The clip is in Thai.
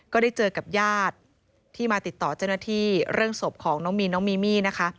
ก็ได้เจอกับญาติที่มาติดต่อเจ้าหน้าที่เรื่องศพของน้องมีนน้องมีมี่นะคะ